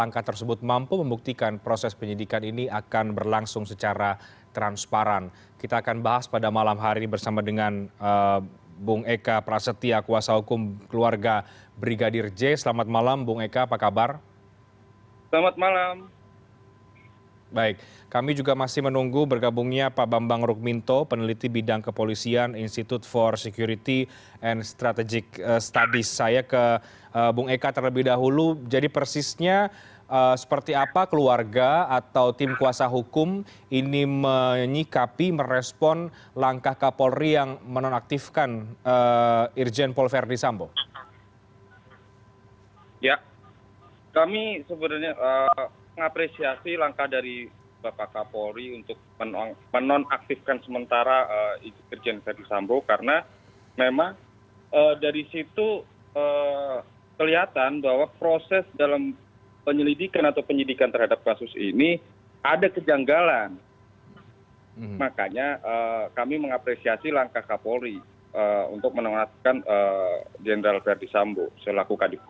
kami mengapresiasi langkah kapolri untuk menengahkan general verdi sambo selaku kadif propa